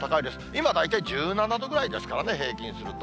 今、大体１７度ぐらいですからね、平均すると。